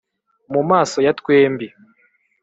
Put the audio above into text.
Mu maso ya twembi.